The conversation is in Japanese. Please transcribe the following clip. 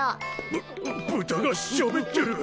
ぶ豚がしゃべってる！